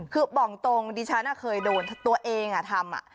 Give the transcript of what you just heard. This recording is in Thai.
คือบอกตรงดิฉันเคยโดนตัวเองทำ